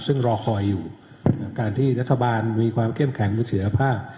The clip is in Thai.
ซึ่งรอคอยอยู่การที่รัฐบาลมีความเข้มแข็งหรือเสียภาพ